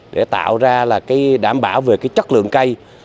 để tạo ra là cái đảm bảo về cái chất lượng cây